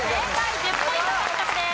１０ポイント獲得です。